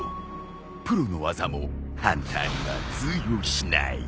プロの技もハンターには通用しない。